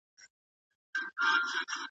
نه مو نسیم ته نڅېدلی ارغوان ولیدی `